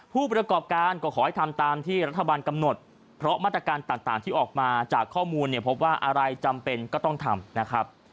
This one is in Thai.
ผู้ประกอบการก็ขอให้ทำตามที่รัฐบาลกำหนดเพราะมาตรการต่างที่ออกมาจากข้อมูลเนี่ยพบว่าอะไรจำเป็นก็ต้องทำนะครับ